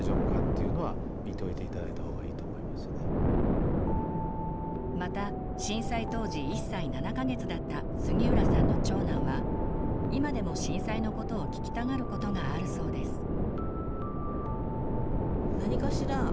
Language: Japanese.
そういうことが適宜というかなまた震災当時１歳７か月だった杉浦さんの長男は今でも震災のことを聞きたがることがあるそうです。